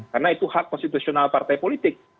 karena itu hak konstitusional partai politik